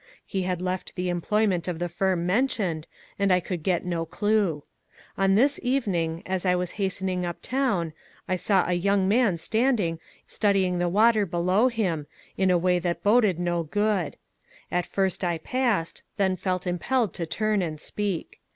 He had left the employment of the firm mentioned, and I could get no clue. On this evening, as I was hastening up town, I saw a young man standing studying the water below him, in a way that boded no good. At first I passed, then felt impelled to turn and speak.